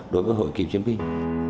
đối với hội kỳ chiến binh